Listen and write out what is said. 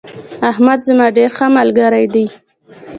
احمد زما ډیر ښه ملگرى دي